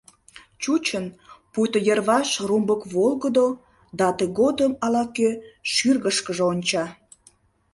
Чучын, пуйто йырваш румбык волгыдо да тыгодым ала-кӧ шӱргышкыжӧ онча.